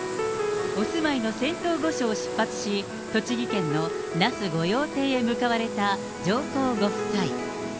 お住まいの仙洞御所を出発し、栃木県の那須御用邸へ向かわれた上皇ご夫妻。